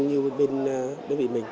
như bên đơn vị mình